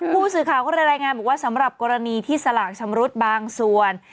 ผู้สื่อข่าวก็เลยรายงานบอกว่าสำหรับกรณีที่สลากชำรุดบางส่วน